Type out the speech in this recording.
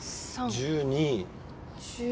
１２。